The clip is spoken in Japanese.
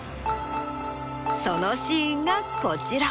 そのシーンがこちら。